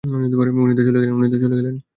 উনি তো চলে গেছেন।